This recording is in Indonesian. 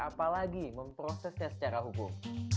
apalagi memprosesnya secara hukum